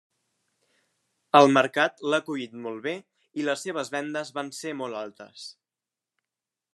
El mercat l'ha acollit molt bé i les seves vendes van ser molt altes.